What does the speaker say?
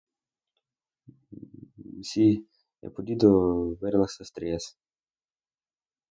Sí, de a poquito ver las estrellas.